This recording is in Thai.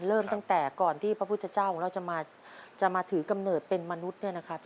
เริ่มตั้งแต่ก่อนที่พระพุทธเจ้าของเราจะมาถือกำเนิดเป็นมนุษย์เนี่ยนะครับ